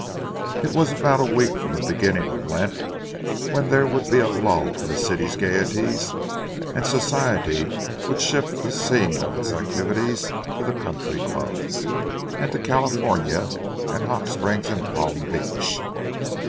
It was about a week from the beginning of Lent, when there would be a lull in the city's gaieties, and Society would shift the scene of its activities to the country clubs, and to California and Hot Springs and Palm Beach.